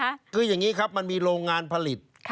คืออย่างนี้บางอย่างครับมันมีโรงงานผลิต